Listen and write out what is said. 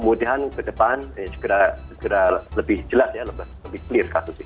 dan mudah mudahan ke depan segera lebih jelas ya lebih clear kasus ini